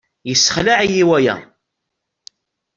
Yessexleɛ-iyi waya.